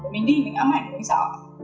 mình đi mình ấm ảnh mình sợ